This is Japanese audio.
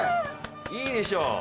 いいでしょう。